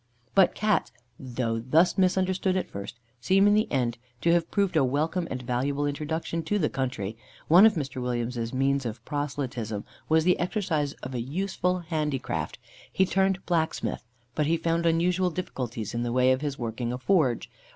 But Cats, though thus misunderstood at first, seem in the end to have proved a welcome and valuable introduction to the country. One of Mr. Williams's means of proselytism was, the exercise of a useful handicraft he turned blacksmith; but he found unusual difficulties in the way of his working a forge.